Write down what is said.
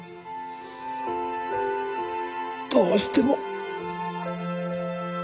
どうしても。